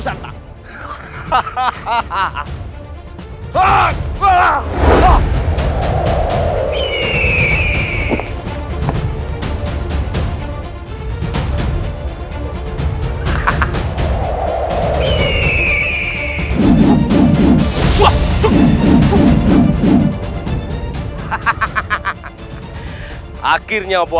saya akan menjaga kebenaran raden